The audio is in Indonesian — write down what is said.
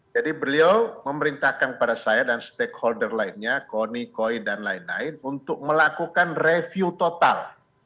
jadi beliau memerintahkan pada saya dan stakeholder lainnya kony koi dan lain lain untuk melakukan review total